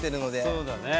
そうだね。